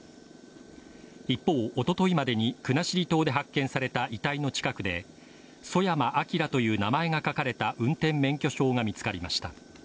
一方、おとといまでに国後島で発見された遺体の近くでソヤマアキラという名前が書かれた運転免許証が見つかりました。